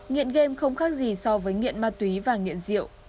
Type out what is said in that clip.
nghiện game không khác gì so với nghiện ma túy và nghiện rượu